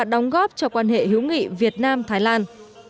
đóng góp cho quan hệ hữu nghị việt nam thái lan